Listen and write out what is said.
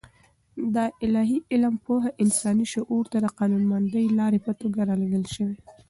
د الاهي علم پوهه انساني شعور ته د قانونمندې لارې په توګه رالېږل شوې.